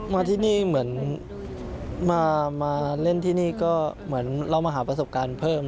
มาที่นี่เหมือนมาเล่นที่นี่ก็เหมือนเรามาหาประสบการณ์เพิ่ม